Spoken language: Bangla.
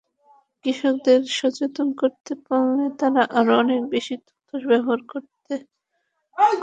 কৃষকদের সচেতন করতে পারলে তাঁরা আরও অনেক বেশি তথ্য ব্যবহার করতেন।